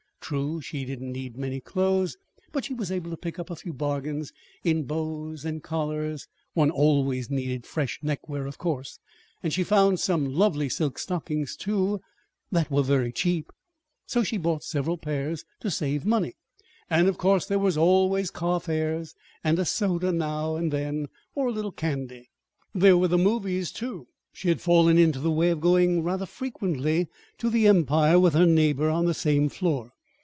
True, she did not need many clothes but she was able to pick up a few bargains in bows and collars (one always needed fresh neckwear, of course); and she found some lovely silk stockings, too, that were very cheap, so she bought several pairs to save money. And of course there were always car fares and a soda now and then, or a little candy. There were the "movies" too. She had fallen into the way of going rather frequently to the Empire with her neighbor on the same floor.